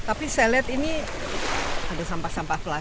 tapi saya lihat ini ada sampah sampah plastik